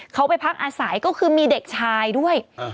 เขาไปพักอาศัยก็คือมีเด็กชายด้วย